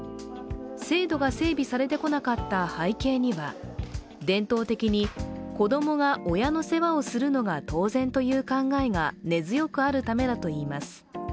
制度が整備されてこなかった背景には伝統的に子供が親の世話をするのが当然との考えが根強くあるためだといいます。